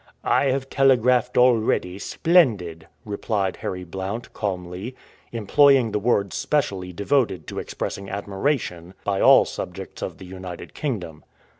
"I have telegraphed already, 'splendid!'" replied Harry Blount calmly, employing the word specially devoted to expressing admiration by all subjects of the United Kingdom.